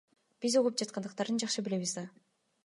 Бизди угуп жаткандыктарын жакшы билебиз да.